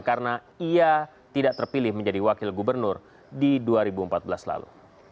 karena ia tidak terpilih menjadi wakil gubernur di dua ribu empat belas lalu